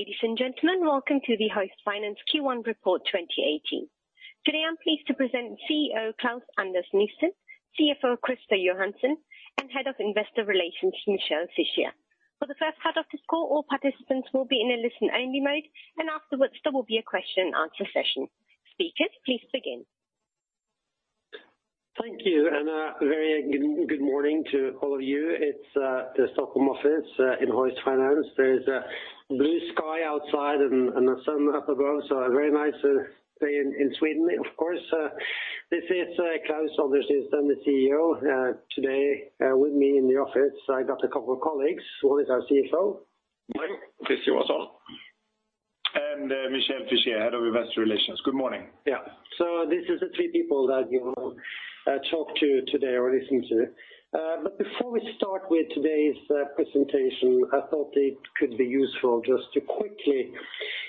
Ladies and gentlemen, welcome to the Hoist Finance Q1 report 2018. Today I am pleased to present CEO Klaus-Anders Nysteen, CFO Christer Johansson, and Head of Investor Relations, Michael Fischier. For the first half of this call, all participants will be in a listen-only mode, and afterwards there will be a question and answer session. Speakers, please begin. Thank you. A very good morning to all of you. It's the Stockholm office in Hoist Finance. There is blue sky outside and the sun up above, a very nice day in Sweden, of course. This is Klaus-Anders Nysteen, I am the CEO. Today with me in the office I got a couple of colleagues. One is our CFO. Morning. Christer Johansson. Michel Fischier, Head of Investor Relations. Good morning. Yeah. These are the three people that you will talk to today or listen to. Before we start with today's presentation, I thought it could be useful just to quickly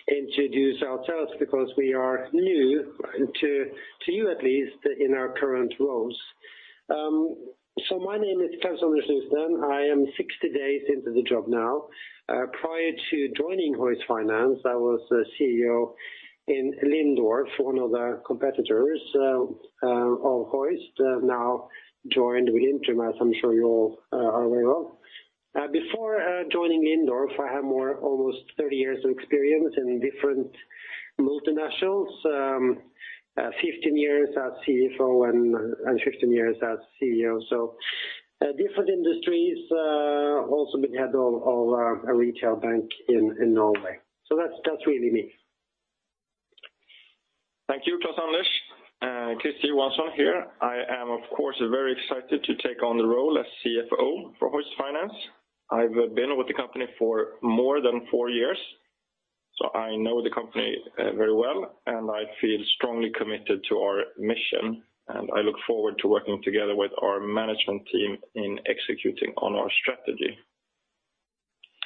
introduce ourselves because we are new to you at least in our current roles. My name is Klaus-Anders Nysteen. I am 60 days into the job now. Prior to joining Hoist Finance, I was CEO in Lindorff, one of the competitors of Hoist, now joined with Intrum as I am sure you all are aware of. Before joining Lindorff, I have almost 30 years of experience in different multinationals. 15 years as CFO and 15 years as CEO. Different industries. I have also been head of a retail bank in Norway. That's really me. Thank you, Klaus-Anders. Christer Johansson here. I am, of course, very excited to take on the role as CFO for Hoist Finance. I've been with the company for more than four years. I know the company very well, and I feel strongly committed to our mission, and I look forward to working together with our management team in executing on our strategy.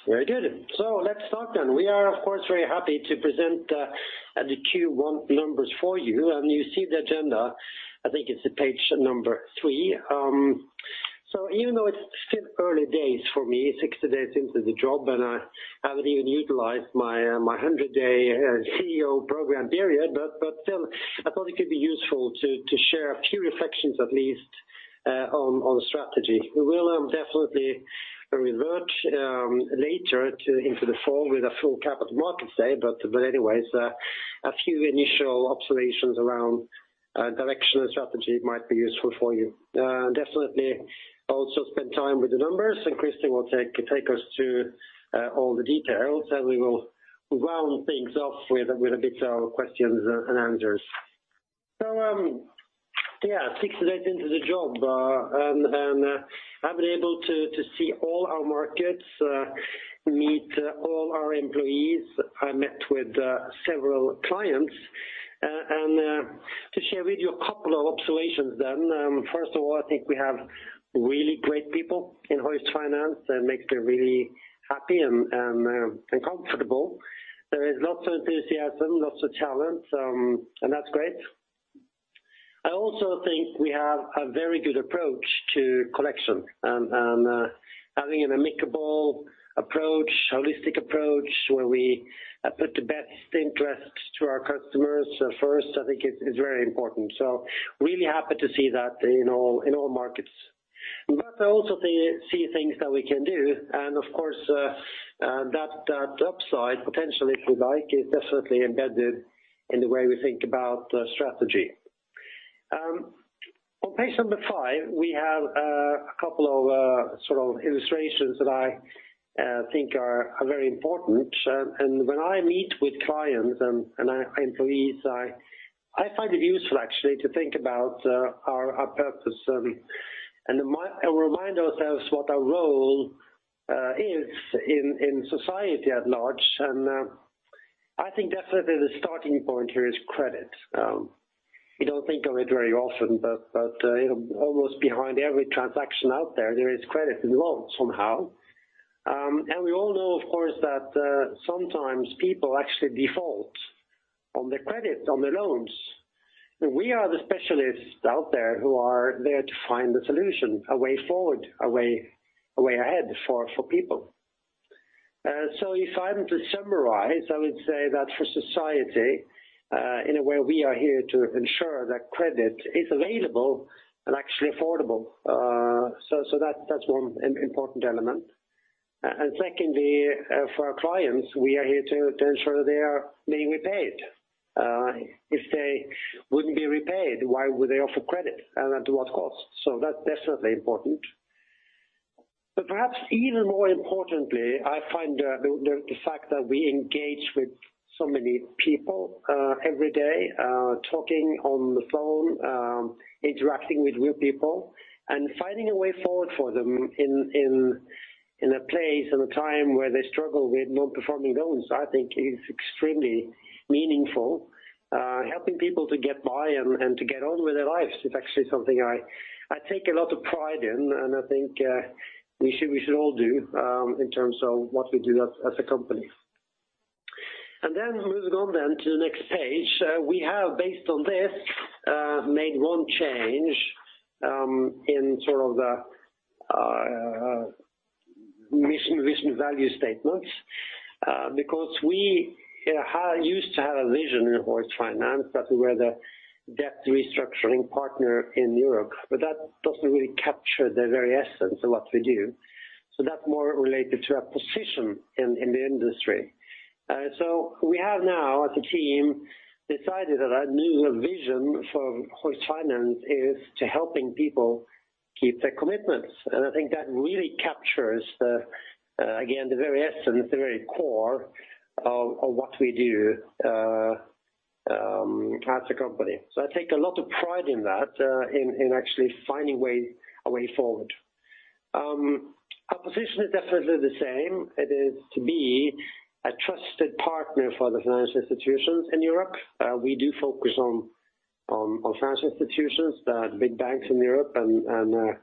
Let's start then. We are of course very happy to present the Q1 numbers for you, and you see the agenda. I think it's page number three. Even though it's still early days for me, 60 days into the job, and I haven't even utilized my 100-day CEO program period, still, I thought it could be useful to share a few reflections at least on strategy. We will definitely revert later into the fall with a full Capital Markets Day. Anyways, a few initial observations around direction and strategy might be useful for you. Definitely also spend time with the numbers, and Christer will take us through all the details, and we will round things off with a bit of questions and answers. Yeah, 60 days into the job. I've been able to see all our markets, meet all our employees. I met with several clients. To share with you a couple of observations then. First of all, I think we have really great people in Hoist Finance that makes me really happy and comfortable. There is lots of enthusiasm, lots of talent, and that's great. I also think we have a very good approach to collection. Having an amicable approach, holistic approach, where we put the best interests to our customers first, I think it's very important. Really happy to see that in all markets. I also see things that we can do, and of course that upside, potentially if we like, is definitely embedded in the way we think about strategy. On page number five, we have a couple of sort of illustrations that I think are very important. When I meet with clients and our employees, I find it useful actually to think about our purpose and remind ourselves what our role is in society at large. I think definitely the starting point here is credit. We don't think of it very often, but almost behind every transaction out there is credit involved somehow. We all know, of course, that sometimes people actually default on their credit, on their loans. We are the specialists out there who are there to find the solution, a way forward, a way ahead for people. If I'm to summarize, I would say that for society, in a way, we are here to ensure that credit is available and actually affordable. That's one important element. Secondly, for our clients, we are here to ensure that they are being repaid. If they wouldn't be repaid, why would they offer credit and at what cost? That's definitely important. Perhaps even more importantly, I find the fact that we engage with so many people every day, talking on the phone, interacting with real people and finding a way forward for them in a place and a time where they struggle with non-performing loans, I think is extremely meaningful. Helping people to get by and to get on with their lives is actually something I take a lot of pride in, and I think we should all do in terms of what we do as a company. Moving on then to the next page. We have, based on this, made one change in sort of the mission vision value statements. We used to have a vision in Hoist Finance that we were the debt restructuring partner in Europe, that doesn't really capture the very essence of what we do. That's more related to our position in the industry. We have now, as a team, decided that our new vision for Hoist Finance is to helping people keep their commitments. I think that really captures, again, the very essence, the very core of what we do as a company. I take a lot of pride in that in actually finding a way forward. Our position is definitely the same. It is to be a trusted partner for the financial institutions in Europe. We do focus on financial institutions, the big banks in Europe, and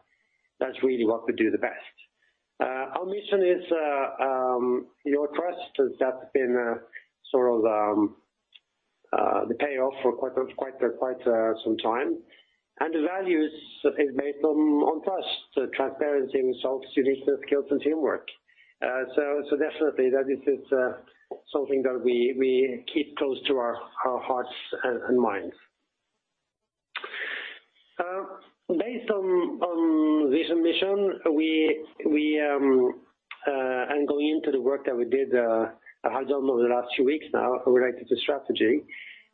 that's really what we do the best. Our mission is your trust, as that's been sort of the payoff for quite some time. The values is based on trust, transparency, results, uniqueness, skills, and teamwork. Definitely that is something that we keep close to our hearts and minds. Based on vision mission, going into the work that we did, I don't know, the last two weeks now related to strategy,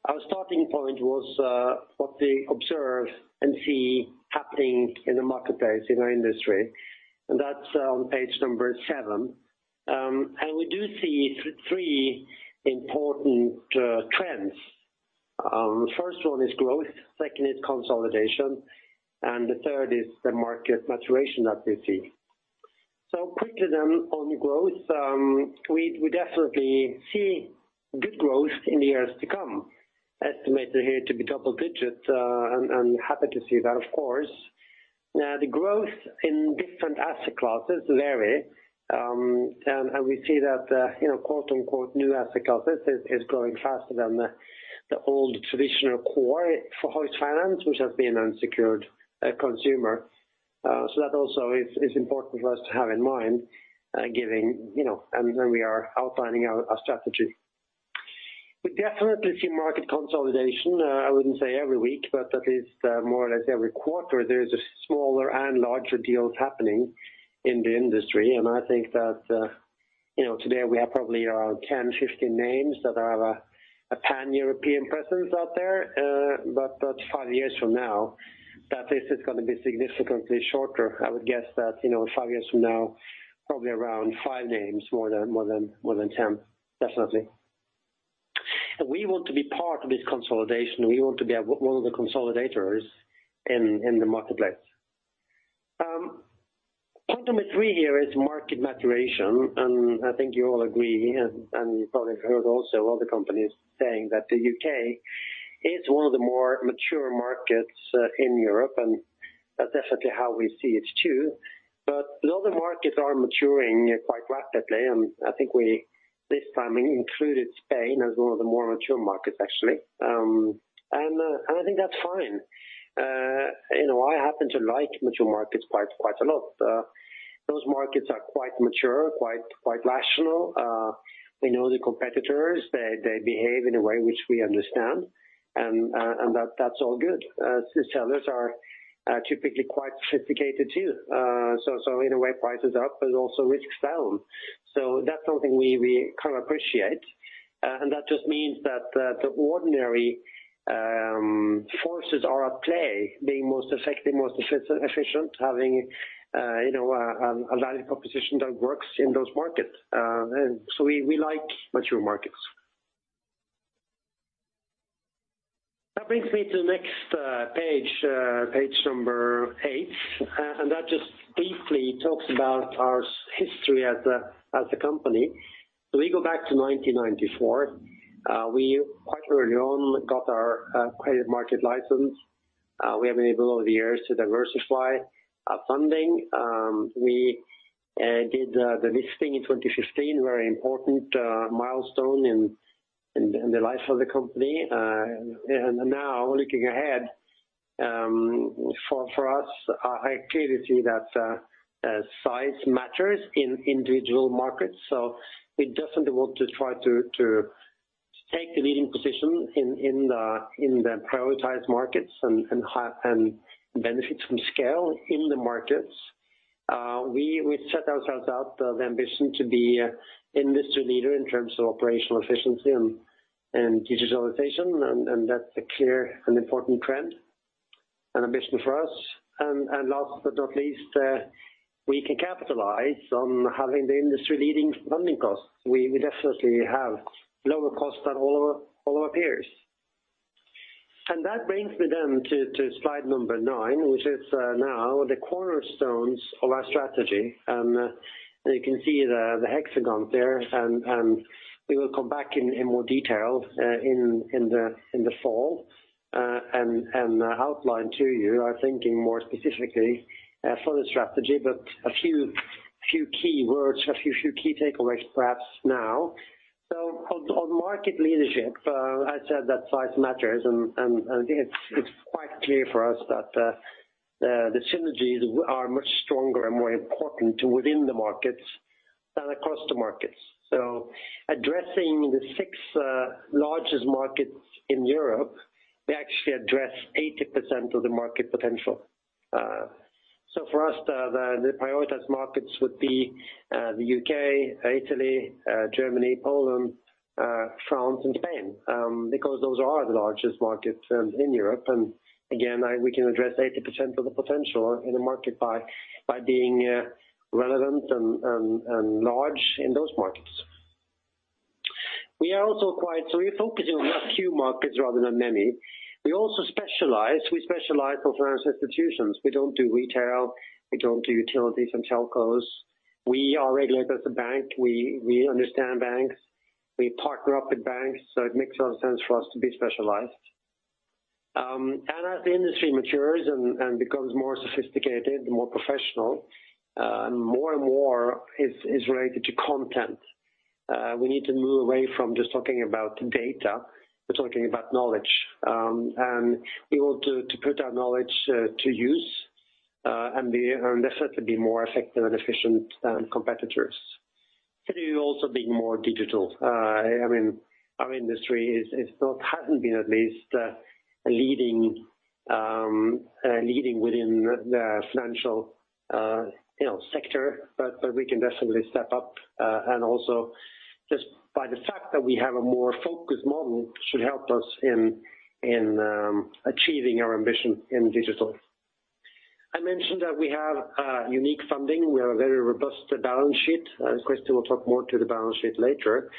our starting point was what we observe and see happening in the marketplace, in our industry. That's on page number seven. We do see three important trends. First one is growth, second is consolidation, and the third is the market maturation that we see. Quickly then on growth, we definitely see good growth in the years to come, estimated here to be double digits, and happy to see that, of course. Now the growth in different asset classes vary. We see that "new asset classes," is growing faster than the old traditional core for Hoist Finance, which has been unsecured consumer. That also is important for us to have in mind given when we are outlining our strategy. We definitely see market consolidation. I wouldn't say every week, but at least more or less every quarter, there's smaller and larger deals happening in the industry. I think that today we have probably around 10, 15 names that have a pan-European presence out there. Five years from now, that list is going to be significantly shorter. I would guess that five years from now, probably around five names, more than 10, definitely. We want to be part of this consolidation. We want to be one of the consolidators in the marketplace. Point number three here is market maturation. I think you all agree, you probably heard also other companies saying that the U.K. is one of the more mature markets in Europe. That's definitely how we see it too. The other markets are maturing quite rapidly. I think we this time included Spain as one of the more mature markets, actually. I think that's fine. I happen to like mature markets quite a lot. Those markets are quite mature, quite rational. We know the competitors. They behave in a way which we understand. That's all good. The sellers are typically quite sophisticated too. In a way, prices up, but also risks down. That's something we appreciate. That just means that the ordinary forces are at play, being most effective, most efficient, having a value proposition that works in those markets. We like mature markets. That brings me to the next page number eight. That just briefly talks about our history as a company. We go back to 1994. We quite early on got our credit market license. We have been able over the years to diversify our funding. We did the listing in 2015, very important milestone in the life of the company. Now looking ahead, for us, I clearly see that size matters in individual markets. We definitely want to try to take the leading position in the prioritized markets and benefit from scale in the markets. We set ourselves out the ambition to be industry leader in terms of operational efficiency and digitalization. That's a clear and important trend and ambition for us. Last but not least, we can capitalize on having the industry-leading funding costs. We definitely have lower costs than all our peers. That brings me then to slide number nine, which is now the cornerstones of our strategy. You can see the hexagon there. We will come back in more detail in the fall and outline to you our thinking more specifically for the strategy. A few key words, a few key takeaways perhaps now. On market leadership, I said that size matters. I think it's quite clear for us that the synergies are much stronger and more important within the markets than across the markets. Addressing the six largest markets in Europe, we actually address 80% of the market potential. For us, the prioritized markets would be the U.K., Italy, Germany, Poland, France, and Spain because those are the largest markets in Europe. Again, we can address 80% of the potential in the market by being relevant and large in those markets. We focus on a few markets rather than many. We also specialize. We specialize for finance institutions. We don't do retail, we don't do utilities and telcos. We are regulated as a bank. We understand banks. We partner up with banks, so it makes a lot of sense for us to be specialized. As the industry matures and becomes more sophisticated and more professional, more and more is related to content. We need to move away from just talking about data, we're talking about knowledge. We want to put our knowledge to use and necessarily be more effective and efficient than competitors. It could also be more digital. Our industry hasn't been at least leading within the financial sector. We can definitely step up, also just by the fact that we have a more focused model should help us in achieving our ambition in digital. I mentioned that we have unique funding. We have a very robust balance sheet. Christer will talk more to the balance sheet later.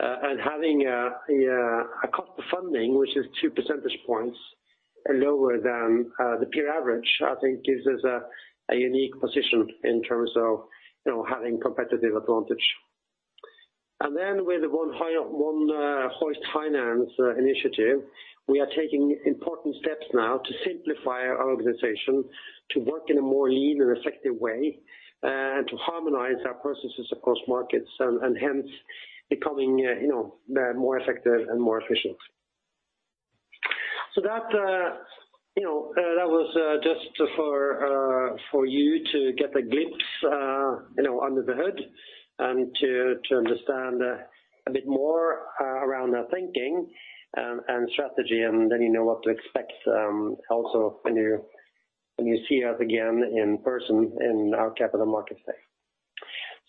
Having a cost of funding, which is two percentage points lower than the peer average, I think gives us a unique position in terms of having competitive advantage. With the One Hoist Finance initiative, we are taking important steps now to simplify our organization, to work in a more lean and effective way, and to harmonize our processes across markets and hence becoming more effective and more efficient. That was just for you to get a glimpse under the hood and to understand a bit more around our thinking and strategy, then you know what to expect also when you see us again in person in our capital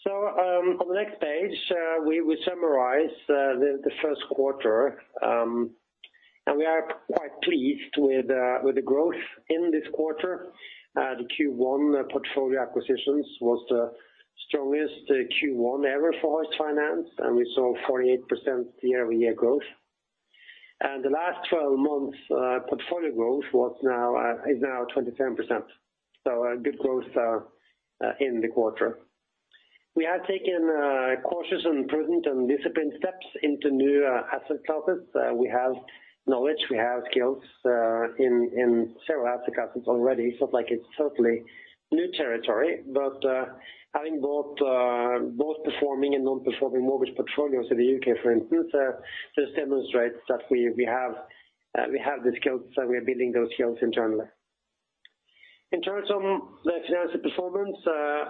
markets day. On the next page, we summarize the first quarter. We are quite pleased with the growth in this quarter. The Q1 portfolio acquisitions was the strongest Q1 ever for Hoist Finance. We saw 48% year-over-year growth. The last 12 months portfolio growth is now 27%. A good growth in the quarter. We have taken cautious, prudent, and disciplined steps into new asset classes. We have knowledge, we have skills in several asset classes already. It's not like it's totally new territory. Having both performing and non-performing mortgage portfolios in the U.K., for instance, just demonstrates that we have the skills. We are building those skills internally. In terms of financial performance,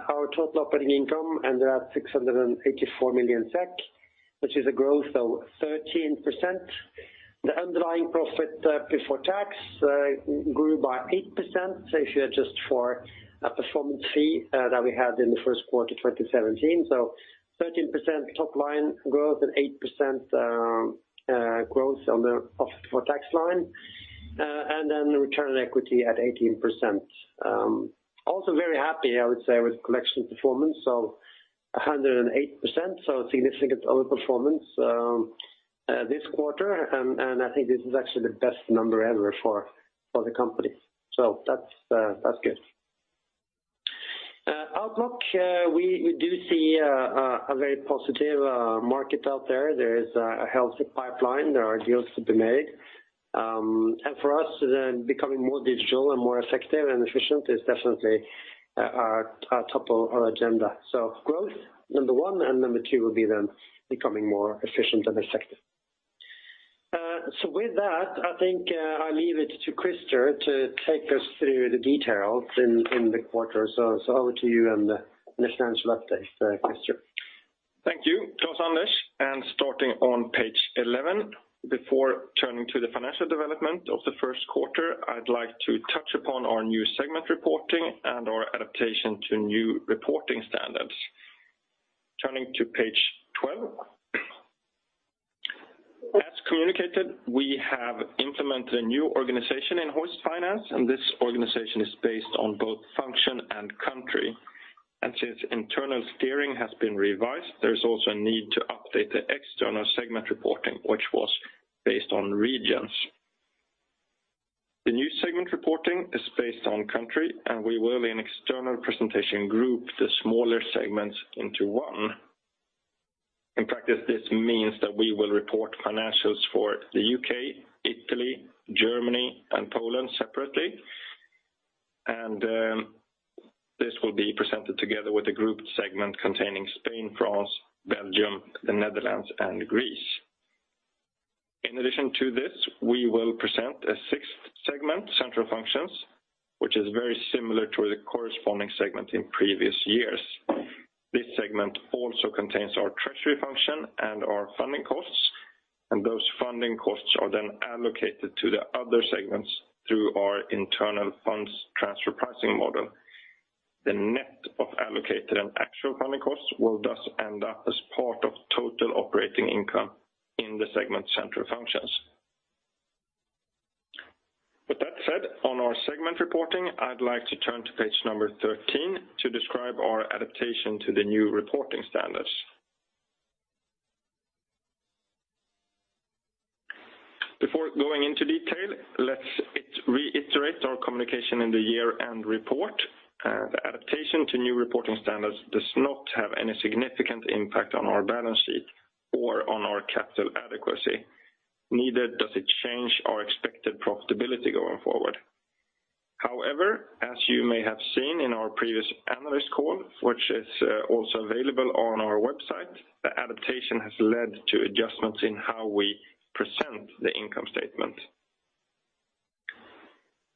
our total operating income ended at 684 million SEK, which is a growth of 13%. The underlying profit before tax grew by 8%, adjusted for a performance fee that we had in the first quarter 2017. 13% top-line growth and 8% growth on the profit before tax line. The return on equity at 18%. Also very happy, I would say, with collection performance of 108%. A significant overperformance this quarter. I think this is actually the best number ever for the company. That's good. Outlook, we do see a very positive market out there. There is a healthy pipeline. There are deals to be made. For us, becoming more digital and more effective and efficient is definitely top of our agenda. Growth, number one, and number two will be then becoming more efficient and effective. With that, I think I leave it to Christer to take us through the details in the quarter. Over to you and the financial update, Christer. Thank you, Klaus-Anders. Starting on page 11, before turning to the financial development of the first quarter, I'd like to touch upon our new segment reporting and our adaptation to new reporting standards. Turning to page 12. As communicated, we have implemented a new organization in Hoist Finance, and this organization is based on both function and country. Since internal steering has been revised, there is also a need to update the external segment reporting, which was based on regions. The new segment reporting is based on country, and we will, in external presentation, group the smaller segments into one. In practice, this means that we will report financials for the U.K., Italy, Germany, and Poland separately. Together with a grouped segment containing Spain, France, Belgium, the Netherlands, and Greece. In addition to this, we will present a sixth segment, Central Functions, which is very similar to the corresponding segment in previous years. This segment also contains our treasury function and our funding costs. Those funding costs are then allocated to the other segments through our internal funds transfer pricing model. The net of allocated and actual funding costs will thus end up as part of total operating income in the segment Central Functions. With that said, on our segment reporting, I'd like to turn to page number 13 to describe our adaptation to the new reporting standards. Before going into detail, let's reiterate our communication in the year-end report. The adaptation to new reporting standards does not have any significant impact on our balance sheet or on our capital adequacy. Neither does it change our expected profitability going forward. However, as you may have seen in our previous analyst call, which is also available on our website, the adaptation has led to adjustments in how we present the income statement.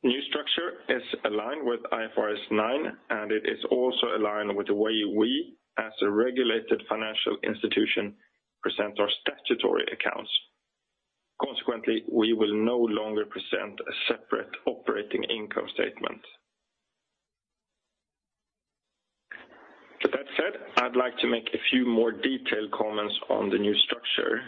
New structure is aligned with IFRS 9. It is also aligned with the way we, as a regulated financial institution, present our statutory accounts. Consequently, we will no longer present a separate operating income statement. With that said, I'd like to make a few more detailed comments on the new structure.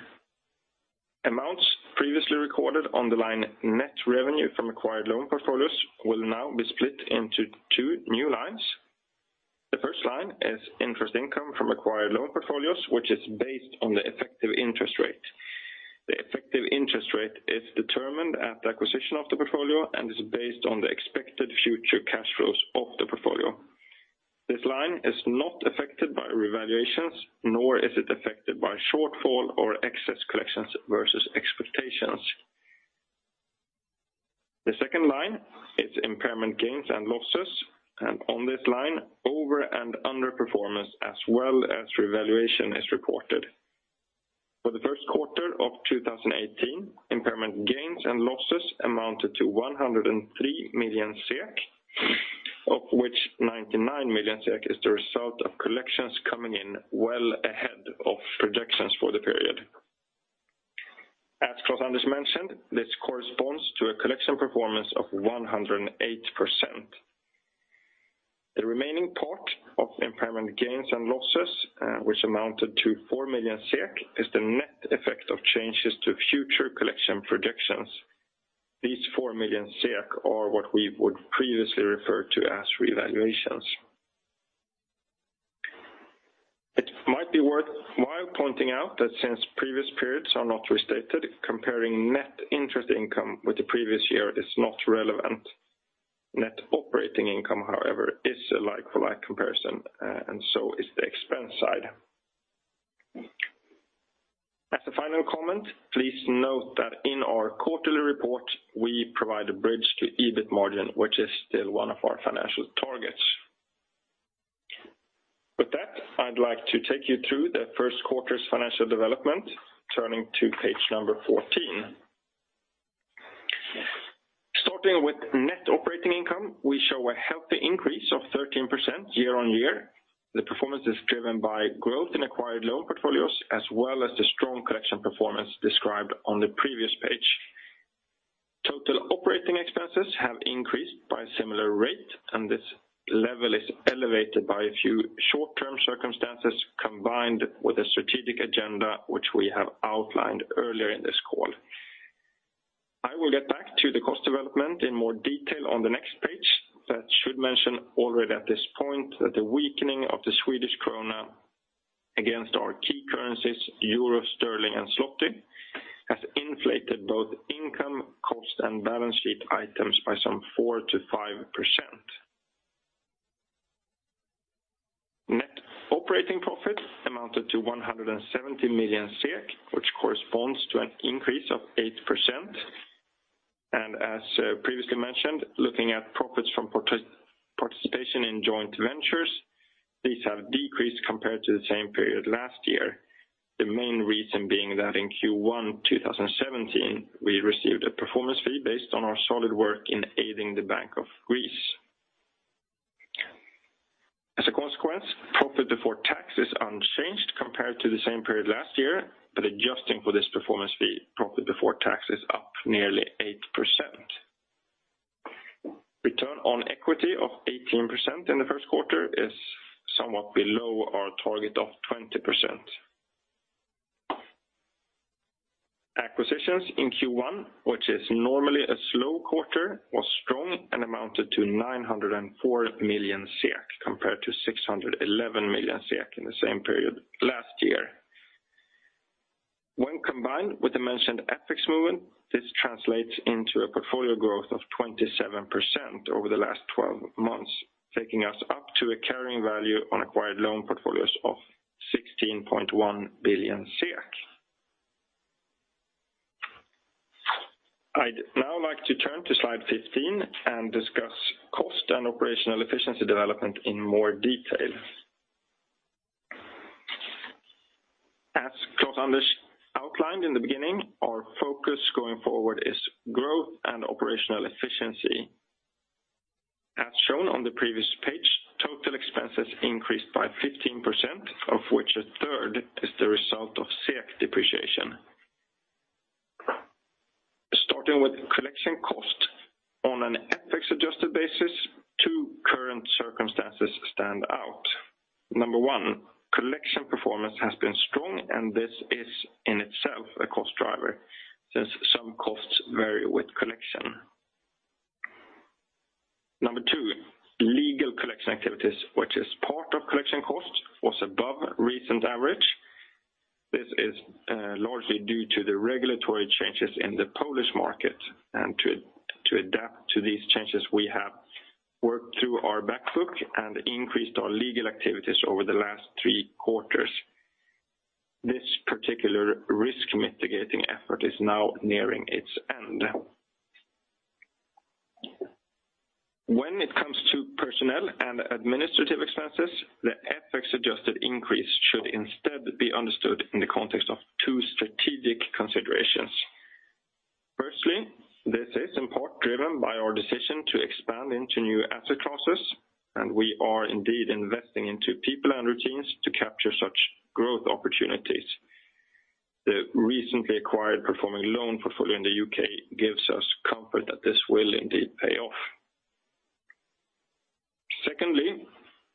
Amounts previously recorded on the line net revenue from acquired loan portfolios will now be split into two new lines. The first line is interest income from acquired loan portfolios, which is based on the effective interest rate. The effective interest rate is determined at the acquisition of the portfolio and is based on the expected future cash flows of the portfolio. This line is not affected by revaluations, nor is it affected by shortfall or excess collections versus expectations. The second line is impairment gains and losses. On this line, over and under performance as well as revaluation is reported. For the first quarter of 2018, impairment gains and losses amounted to 103 million SEK, of which 99 million SEK is the result of collections coming in well ahead of projections for the period. As Klaus-Anders mentioned, this corresponds to a collection performance of 108%. The remaining part of impairment gains and losses, which amounted to 4 million SEK, is the net effect of changes to future collection projections. These 4 million are what we would previously refer to as revaluations. It might be worthwhile pointing out that since previous periods are not restated, comparing net interest income with the previous year is not relevant. Net operating income, however, is a like-for-like comparison and so is the expense side. As a final comment, please note that in our quarterly report, we provide a bridge to EBIT margin, which is still one of our financial targets. With that, I'd like to take you through the first quarter's financial development, turning to page number 14. Starting with net operating income, we show a healthy increase of 13% year-on-year. The performance is driven by growth in acquired loan portfolios, as well as the strong collection performance described on the previous page. Total operating expenses have increased by a similar rate. This level is elevated by a few short-term circumstances combined with a strategic agenda which we have outlined earlier in this call. I will get back to the cost development in more detail on the next page. I should mention already at this point that the weakening of the Swedish krona against our key currencies, euro, sterling, and zloty, has inflated both income, cost, and balance sheet items by some 4%-5%. Net operating profit amounted to 170 million, which corresponds to an increase of 8%. As previously mentioned, looking at profits from participation in joint ventures, these have decreased compared to the same period last year. The main reason being that in Q1 2017, we received a performance fee based on our solid work in aiding the Bank of Greece. As a consequence, profit before tax is unchanged compared to the same period last year, but adjusting for this performance fee, profit before tax is up nearly 8%. Return on equity of 18% in the first quarter is somewhat below our target of 20%. Acquisitions in Q1, which is normally a slow quarter, was strong and amounted to 904 million compared to 611 million in the same period last year. When combined with the mentioned FX movement, this translates into a portfolio growth of 27% over the last 12 months, taking us up to a carrying value on acquired loan portfolios of 16.1 billion. I'd now like to turn to slide 15 and discuss cost and operational efficiency development in more detail. As Klaus-Anders outlined in the beginning, our focus going forward is growth and operational efficiency. As shown on the previous page, total expenses increased by 15%, of which a third is the result of SEK depreciation. Starting with collection cost, on an FX-adjusted basis, two current circumstances stand out. Number one, collection performance has been strong, and this is in itself a cost driver, since some costs vary with collection. Number two, legal collection activities, which is part of collection cost, was above recent average. This is largely due to the regulatory changes in the Polish market. To adapt to these changes, we have worked through our back book and increased our legal activities over the last three quarters. This particular risk mitigating effort is now nearing its end. When it comes to personnel and administrative expenses, the FX-adjusted increase should instead be understood in the context of two strategic considerations. Firstly, this is in part driven by our decision to expand into new asset classes, and we are indeed investing into people and routines to capture such growth opportunities. The recently acquired performing loan portfolio in the U.K. gives us comfort that this will indeed pay off. Secondly,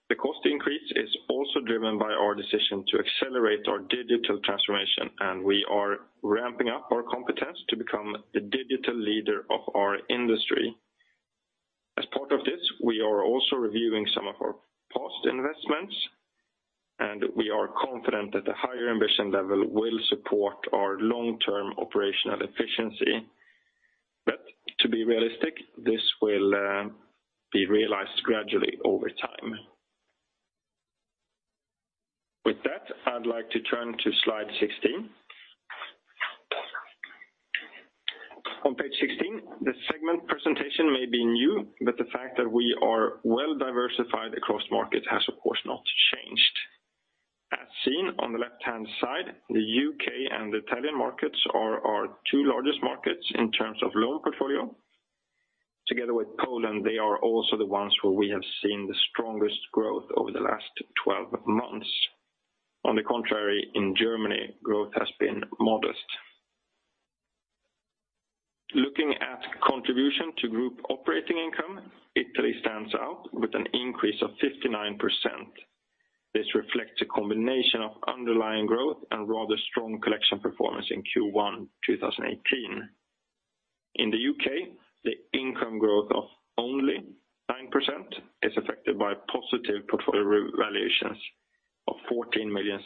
the cost increase is also driven by our decision to accelerate our digital transformation, and we are ramping up our competence to become the digital leader of our industry. As part of this, we are also reviewing some of our past investments, and we are confident that the higher ambition level will support our long-term operational efficiency. To be realistic, this will be realized gradually over time. With that, I'd like to turn to slide 16. On page 16, the segment presentation may be new, but the fact that we are well diversified across markets has, of course, not changed. As seen on the left-hand side, the U.K. and Italian markets are our two largest markets in terms of loan portfolio. Together with Poland, they are also the ones where we have seen the strongest growth over the last 12 months. On the contrary, in Germany, growth has been modest. Looking at contribution to group operating income, Italy stands out with an increase of 59%. This reflects a combination of underlying growth and rather strong collection performance in Q1 2018. In the U.K., the income growth of only 9% is affected by positive portfolio valuations of 14 million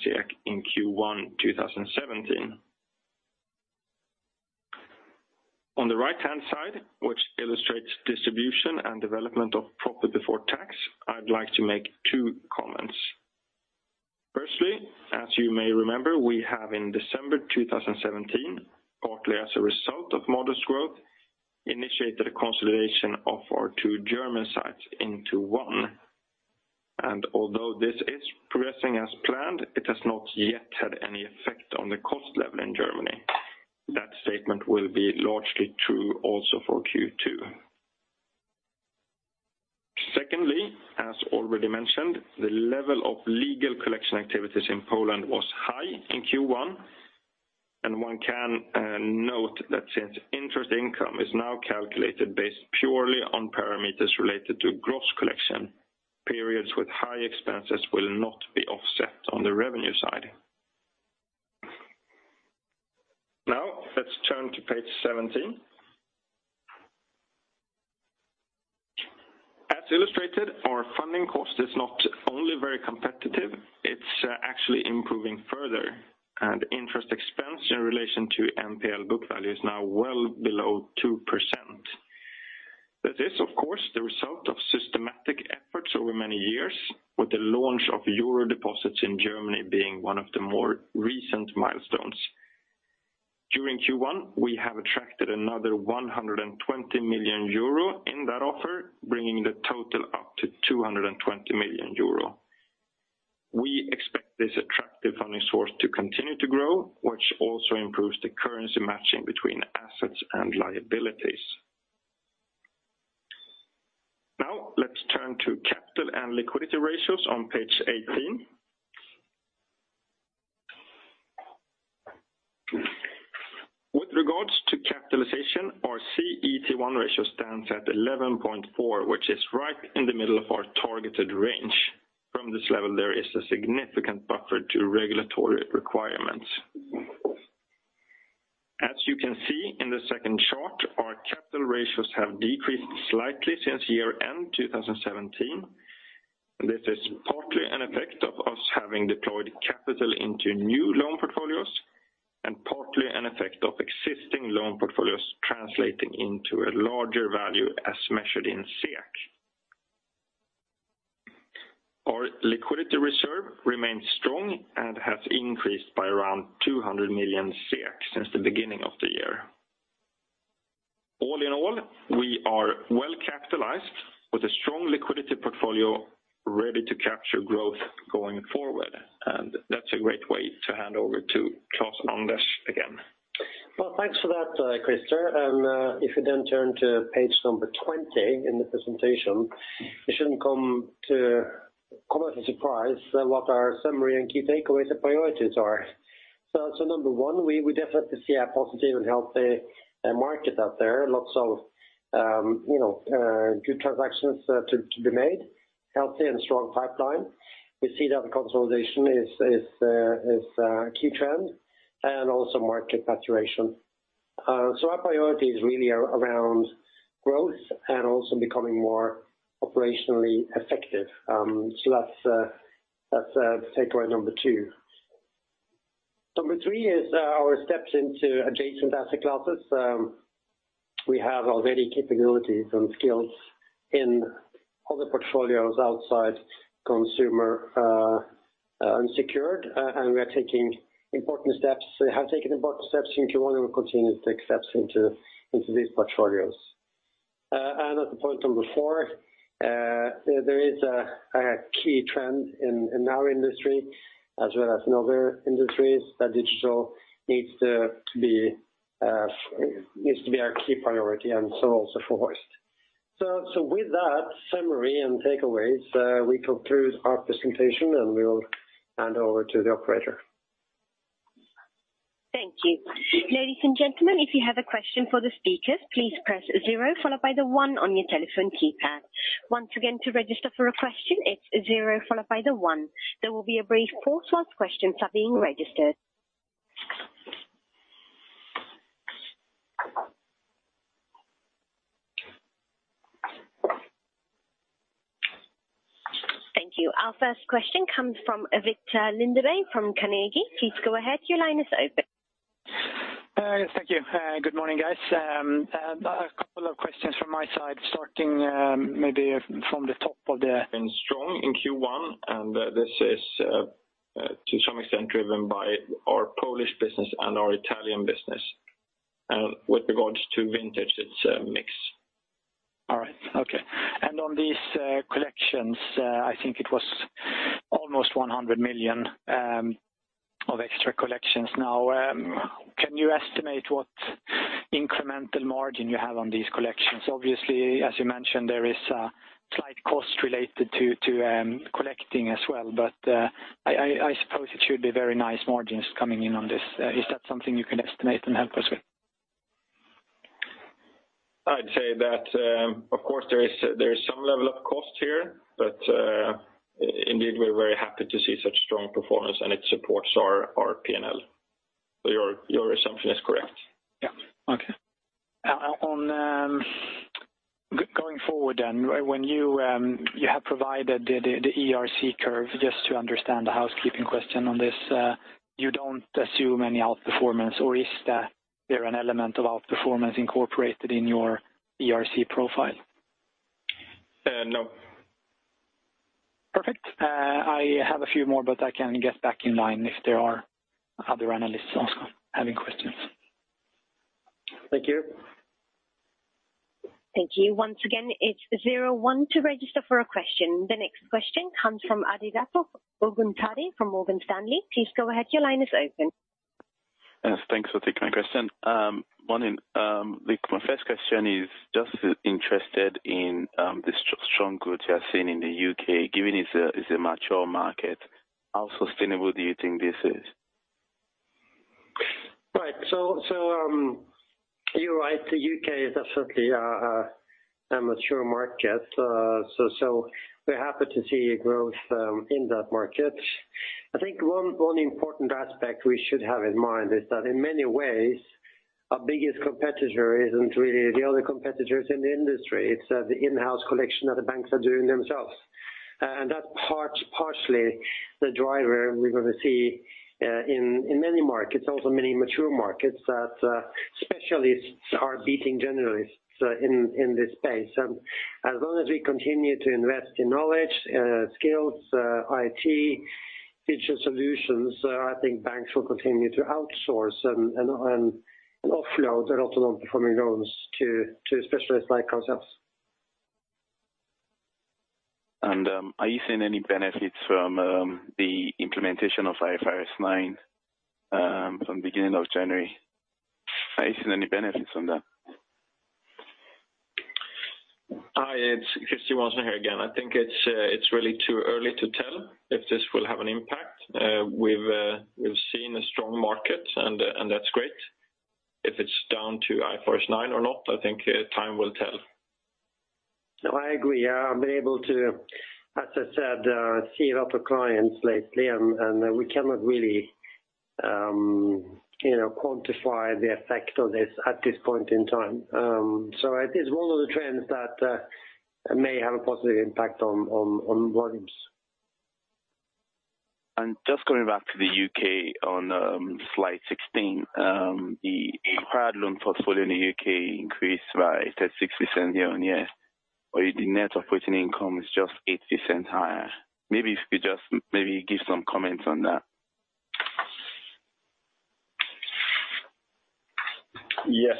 in Q1 2017. On the right-hand side, which illustrates distribution and development of profit before tax, I'd like to make two comments. Firstly, as you may remember, we have in December 2017, partly as a result of modest growth, initiated a consolidation of our two German sites into one. Although this is progressing as planned, it has not yet had any effect on the cost level in Germany. That statement will be largely true also for Q2. Secondly, as already mentioned, the level of legal collection activities in Poland was high in Q1, one can note that since interest income is now calculated based purely on parameters related to gross collection, periods with high expenses will not be offset on the revenue side. Now let's turn to page 17. As illustrated, our funding cost is not only very competitive, it's actually improving further, and interest expense in relation to NPL book value is now well below 2%. That is, of course, the result of systematic efforts over many years with the launch of EUR deposits in Germany being one of the more recent milestones. During Q1, we have attracted another 120 million euro in that offer, bringing the total up to 220 million euro. We expect this attractive funding source to continue to grow, which also improves the currency matching between assets and liabilities. Now let's turn to capital and liquidity ratios on page 18. With regards to capitalization, our CET1 ratio stands at 11.4, which is right in the middle of our targeted range. From this level, there is a significant buffer to regulatory requirements. As you can see in the second chart, our capital ratios have decreased slightly since year-end 2017. This is partly an effect of us having deployed capital into new loan portfolios and partly an effect of existing loan portfolios translating into a larger value as measured in SEK. The liquidity reserve remains strong and has increased by around 200 million since the beginning of the year. All in all, we are well capitalized with a strong liquidity portfolio ready to capture growth going forward, that's a great way to hand over to Klaus-Anders again. Well, thanks for that, Christer. If you then turn to page 20 in the presentation, it shouldn't come as a surprise what our summary and key takeaways and priorities are. Number 1, we definitely see a positive and healthy market out there. Lots of good transactions to be made, healthy and strong pipeline. We see that consolidation is a key trend, and also market saturation. Our priorities really are around growth and also becoming more operationally effective. That's takeaway number 2. Number 3 is our steps into adjacent asset classes. We have already capabilities and skills in other portfolios outside consumer unsecured, and we have taken important steps in Q1 and we will continue to take steps into these portfolios. As the point 4, there is a key trend in our industry as well as in other industries that digital needs to be our key priority and so also for Hoist. With that summary and takeaways, we conclude our presentation and we will hand over to the operator. Thank you. Ladies and gentlemen, if you have a question for the speakers, please press zero followed by the one on your telephone keypad. Once again, to register for a question, it's zero followed by the one. There will be a brief pause whilst questions are being registered. Thank you. Our first question comes from Viktor Lindeberg from Carnegie. Please go ahead. Your line is open. Yes. Thank you. Good morning, guys. A couple of questions from my side, starting maybe from the top of the This is to some extent driven by our Polish business and our Italian business. With regards to vintage, it's a mix. All right. Okay. On these collections, I think it was almost 100 million of extra collections. Can you estimate what incremental margin you have on these collections? Obviously, as you mentioned, there is a slight cost related to collecting as well, but I suppose it should be very nice margins coming in on this. Is that something you can estimate and help us with? I'd say that, of course there is some level of cost here, but indeed, we're very happy to see such strong performance, and it supports our P&L. Your assumption is correct. Yeah. Okay. Going forward, when you have provided the ERC curve, just to understand the housekeeping question on this, you don't assume any outperformance or is there an element of outperformance incorporated in your ERC profile? No. Perfect. I have a few more, I can get back in line if there are other analysts also having questions. Thank you. Thank you. Once again, it's 01 to register for a question. The next question comes from Adedapo Oguntade from Morgan Stanley. Please go ahead. Your line is open. Yes, thanks for taking my question. Morning. My first question is just interested in the strong growth you are seeing in the U.K., given it's a mature market, how sustainable do you think this is? Right. You're right. The U.K. is definitely a mature market. We're happy to see growth in that market. I think one important aspect we should have in mind is that in many ways, our biggest competitor isn't really the other competitors in the industry. It's the in-house collection that the banks are doing themselves. That's partially the driver we're going to see in many markets, also many mature markets that specialists are beating generalists in this space. As long as we continue to invest in knowledge, skills, IT, digital solutions, I think banks will continue to outsource and offload their underperforming loans to specialists like ourselves. Are you seeing any benefits from the implementation of IFRS 9 from beginning of January? Are you seeing any benefits from that? Hi, it's Christer Johansson here again. I think it's really too early to tell if this will have an impact. We've seen a strong market and that's great. If it's down to IFRS 9 or not, I think time will tell. No, I agree. I've been able to, as I said, see a lot of clients lately. We cannot really quantify the effect of this at this point in time. It is one of the trends that may have a positive impact on volumes. Just coming back to the U.K. on slide 16, the acquired loan portfolio in the U.K. increased by 36% year-over-year, but the net operating income is just 8% higher. Maybe if you just give some comments on that. Yes.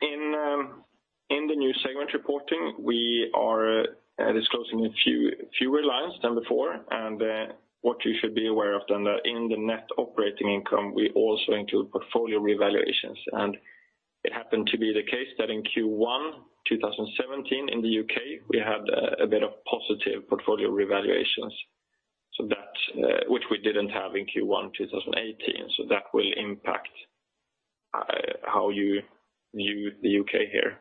In the new segment reporting, we are disclosing fewer lines than before. What you should be aware of then that in the net operating income, we also include portfolio revaluations. It happened to be the case that in Q1 2017 in the U.K., we had a bit of positive portfolio revaluations, which we didn't have in Q1 2018. That will impact how you view the U.K. here.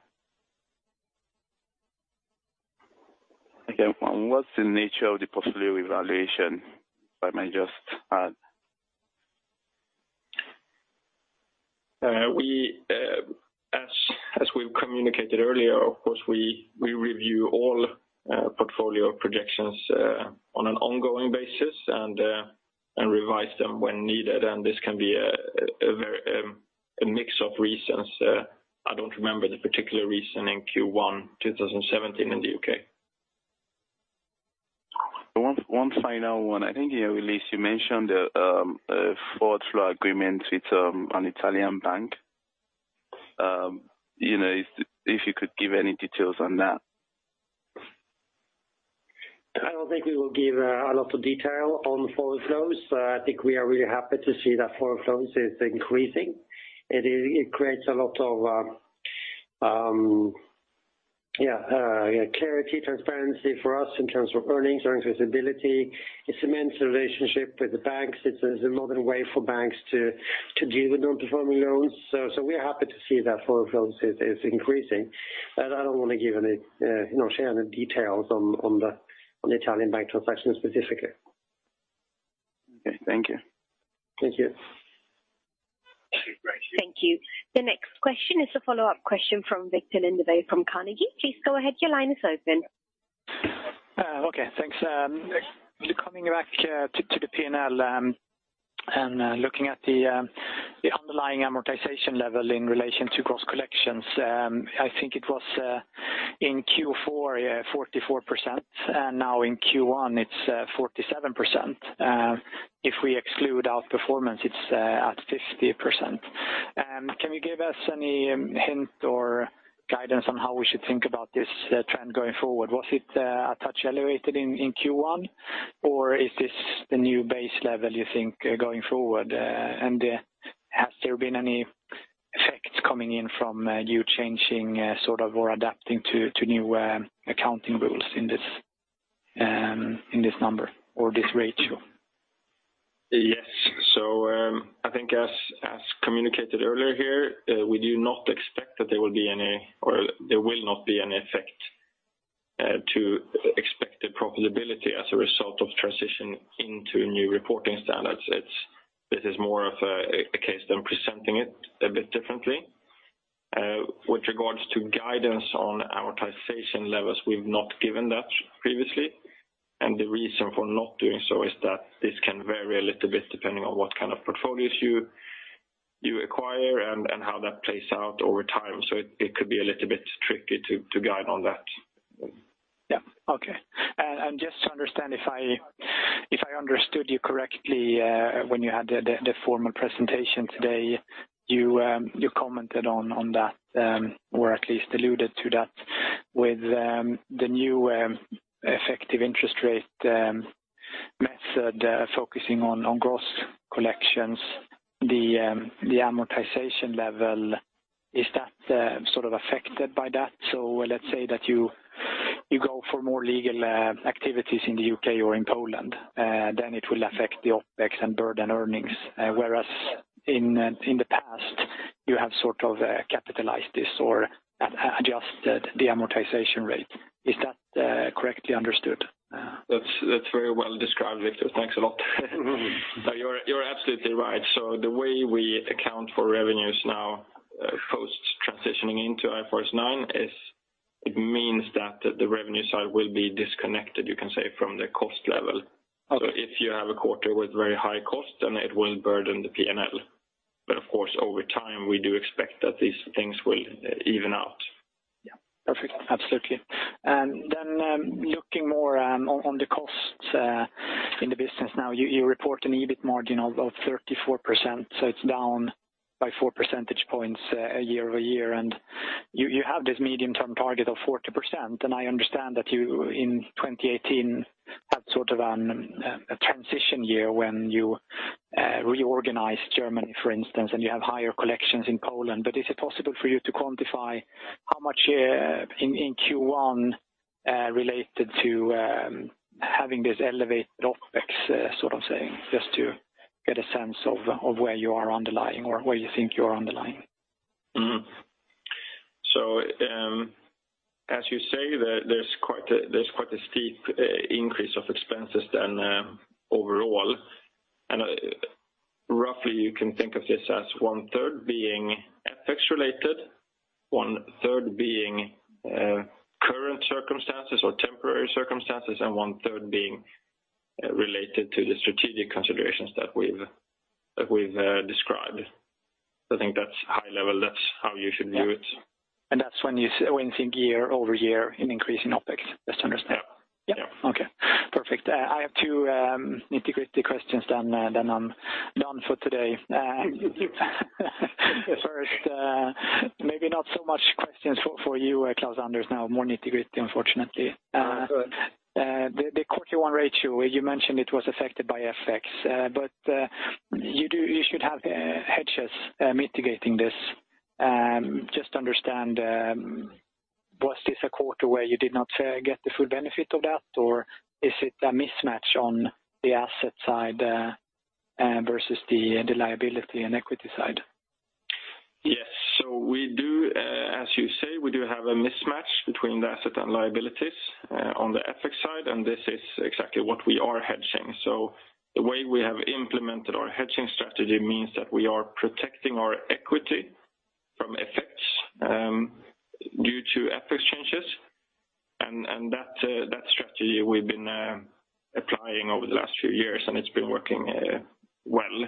Okay. What's the nature of the portfolio evaluation, if I may just add? As we've communicated earlier, of course, we review all portfolio projections on an ongoing basis and revise them when needed, and this can be a mix of reasons. I don't remember the particular reason in Q1 2017 in the U.K. One final one. I think in your release, you mentioned a forward flow agreement with an Italian bank. If you could give any details on that. I don't think we will give a lot of detail on forward flows. I think we are really happy to see that forward flows is increasing. It creates a lot of clarity, transparency for us in terms of earnings visibility. It cements the relationship with the banks. It's a modern way for banks to deal with non-performing loans. We are happy to see that forward flows is increasing. I don't want to share any details on the Italian bank transaction specifically. Okay. Thank you. Thank you. Great. Thank you. The next question is a follow-up question from Viktor Lindeberg from Carnegie. Please go ahead. Your line is open. Okay, thanks. Just coming back to the P&L, looking at the underlying amortization level in relation to gross collections. I think it was in Q4, 44%, and now in Q1 it's 47%. If we exclude outperformance, it's at 50%. Can you give us any hint or guidance on how we should think about this trend going forward? Was it a touch elevated in Q1, or is this the new base level you think, going forward? Has there been any effects coming in from you changing or adapting to new accounting rules in this number or this ratio? Yes. I think as communicated earlier here, we do not expect that there will be any or there will not be an effect to expected profitability as a result of transition into new reporting standards. This is more of a case than presenting it a bit differently. With regards to guidance on amortization levels, we've not given that previously, the reason for not doing so is that this can vary a little bit depending on what kind of portfolios you acquire and how that plays out over time. It could be a little bit tricky to guide on that. Yeah. Okay. Just to understand if I understood you correctly when you had the formal presentation today, you commented on that, or at least alluded to that with the new effective interest rate method focusing on gross collections. The amortization level, is that sort of affected by that? Let's say that you go for more legal activities in the U.K. or in Poland, then it will affect the OpEx and burden earnings. Whereas in the past you have sort of capitalized this or adjusted the amortization rate. Is that correctly understood? That's very well described, Viktor. Thanks a lot. You're absolutely right. The way we account for revenues now post transitioning into IFRS 9 is it means that the revenue side will be disconnected, you can say, from the cost level. Okay. If you have a quarter with very high cost then it will burden the P&L. Of course, over time, we do expect that these things will even out. Perfect. Absolutely. Looking more on the costs in the business now, you report an EBIT margin of 34%, it's down by 4 percentage points year-over-year. You have this medium-term target of 40%, I understand that you in 2018 had sort of a transition year when you reorganized Germany, for instance, and you have higher collections in Poland. Is it possible for you to quantify how much in Q1 related to having this elevated OpEx, just to get a sense of where you are underlying or where you think you are underlying? As you say, there's quite a steep increase of expenses than overall. Roughly you can think of this as one third being FX related, one third being current circumstances or temporary circumstances, and one third being related to the strategic considerations that we've described. I think that's high level. That's how you should view it. That's when you think year-over-year in increasing OpEx, just to understand. Yeah. Okay, perfect. I have two nitty-gritty questions then I'm done for today. First, maybe not so much questions for you, Klaus-Anders now, more nitty-gritty, unfortunately. All right. Good. The Q1 ratio, you mentioned it was affected by FX, you should have hedges mitigating this. Just to understand, was this a quarter where you did not get the full benefit of that, or is it a mismatch on the asset side versus the liability and equity side? Yes. We do as you say, we do have a mismatch between the asset and liabilities on the FX side, and this is exactly what we are hedging. The way we have implemented our hedging strategy means that we are protecting our equity from effects due to FX changes. That strategy we've been applying over the last few years, and it's been working well.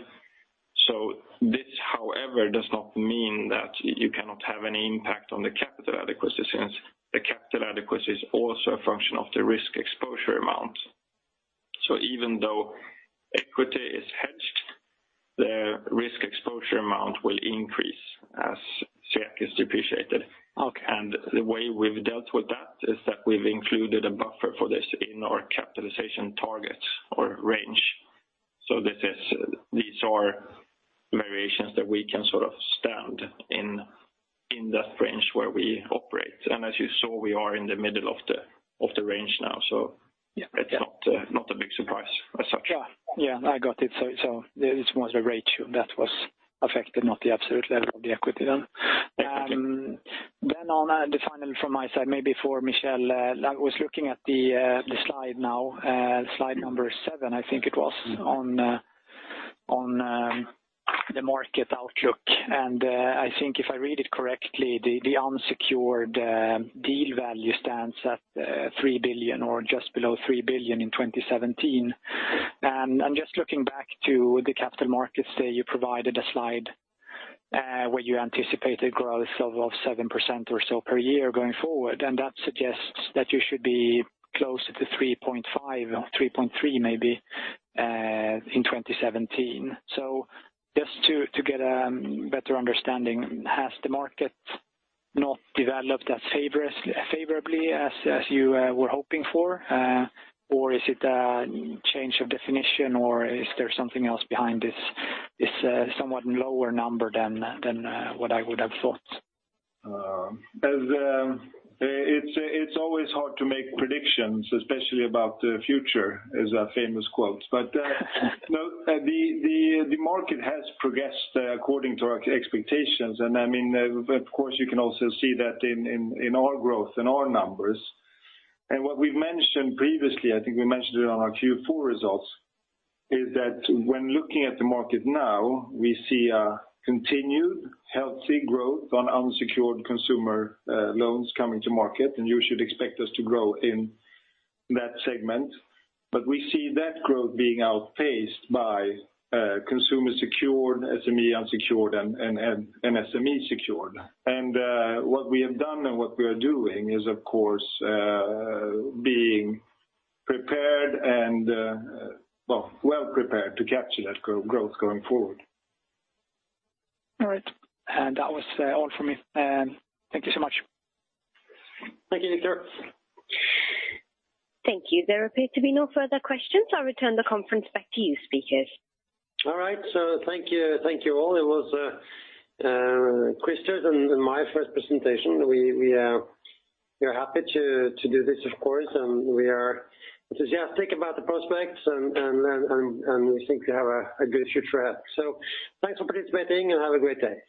This, however, does not mean that you cannot have any impact on the capital adequacy, since the capital adequacy is also a function of the risk exposure amount. Even though equity is hedged, the risk exposure amount will increase as SEK is depreciated. Okay. The way we've dealt with that is that we've included a buffer for this in our capitalization targets or range. These are variations that we can sort of stand in that range where we operate. As you saw, we are in the middle of the range now. Yeah It's not a big surprise as such. Yeah. I got it. It was the ratio that was affected, not the absolute level of the equity then. Exactly. On the final from my side, maybe for Michel. I was looking at the slide now, slide number seven, I think it was, on the market outlook. I think if I read it correctly, the unsecured deal value stands at 3 billion or just below 3 billion in 2017. Just looking back to the capital markets there, you provided a slide where you anticipated growth of 7% or so per year going forward, that suggests that you should be closer to 3.5 billion or 3.3 billion maybe in 2017. Just to get a better understanding, has the market not developed as favorably as you were hoping for? Is it a change of definition, or is there something else behind this somewhat lower number than what I would have thought? It's always hard to make predictions, especially about the future, is a famous quote. The market has progressed according to our expectations. You can also see that in our growth, in our numbers. What we've mentioned previously, I think we mentioned it on our Q4 results, is that when looking at the market now, we see a continued healthy growth on unsecured consumer loans coming to market, and you should expect us to grow in that segment. We see that growth being outpaced by consumer secured, SME unsecured, and SME secured. What we have done and what we are doing is of course being prepared and well prepared to capture that growth going forward. All right. That was all from me. Thank you so much. Thank you, Viktor. Thank you. There appear to be no further questions. I'll return the conference back to you, speakers. All right. Thank you all. It was Christer's and my first presentation. We are happy to do this, of course, and we are enthusiastic about the prospects, and we think we have a good future ahead. Thanks for participating, and have a great day.